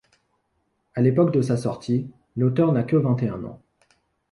À l'époque de sa sortie, l'auteur n'a que vingt-et-un ans.